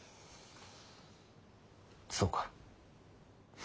そうか。